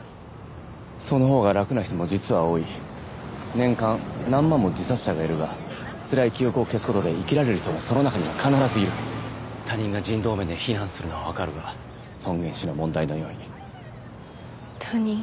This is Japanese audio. そのほうが楽な人も実は多い年間何万も自殺者がいるがつらい記憶を消すことで生きられる人もその中には必ずいる他人が人道面で非難するのはわかるが尊厳死の問題のように他人？